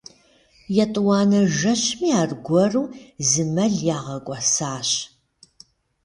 Етӏуанэ жэщми аргуэру и зы мэл ягъэкӏуэсащ.